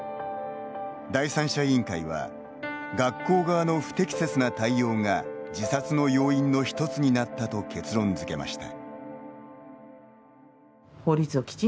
第三者委員会は学校側の不適切な対応が自殺の要因の一つになったと結論づけました。